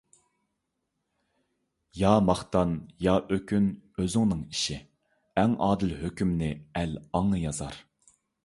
يا ماختان، يا ئۆكۈن ئۆزۈڭنىڭ ئىشى، ئەڭ ئادىل ھۆكۈمنى ئەل ئاڭا يازار.